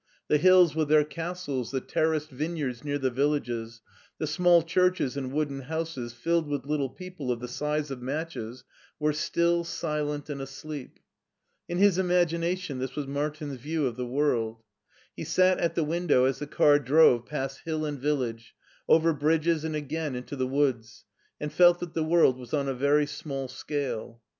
The hills SCHWARZWALD ^47 with their castles, the terraced vineyards near the vil lages, the small churches and wooden houses filled with little people of the size of matches, were still, silent, and asleep. In his imagination this was Martin's view of the world. He sat at the window as the car drove past hill and village, over bridges and again into the woods, and felt that the world was on a very small scale.